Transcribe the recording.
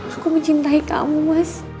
aku mencintai kamu mas